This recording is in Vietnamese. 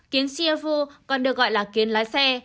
kiến siafu còn được gọi là kiến lái xe